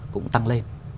cũng tăng lên